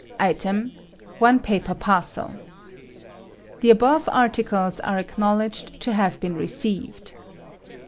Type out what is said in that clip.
ITEM. ONE PAPER PARCEL. The above articles are acknowledged to have been received.